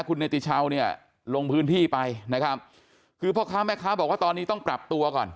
คุณเนติชาวเนี่ยลงพื้นที่ไปนะครับคือพ่อค้าแม่ค้าบอกว่าตอนนี้ต้องปรับตัวก่อน